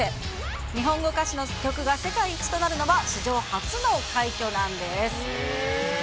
日本語歌詞の曲が世界一となるのは史上初の快挙なんです。